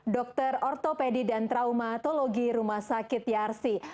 dr ortopedi dan traumatologi rumah sakit yarsi